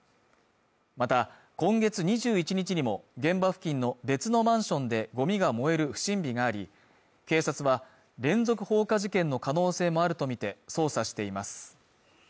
また今月２１日にも現場付近の別のマンションでゴミが燃える不審火があり警察は連続放火事件の可能性もあるとみて捜査しています